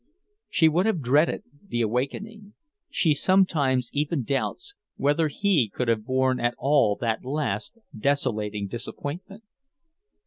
She would have dreaded the awakening, she sometimes even doubts whether he could have borne at all that last, desolating disappointment.